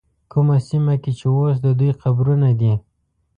کومه سیمه کې چې اوس د دوی قبرونه دي.